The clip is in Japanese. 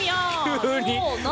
急に。